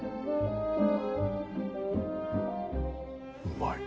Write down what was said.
うまい。